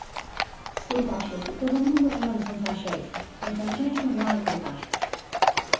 Contáxiase todo o mundo, menos en Sanxenxo; en Sanxenxo no hai contaxios.